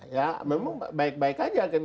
ya memang baik baik aja kan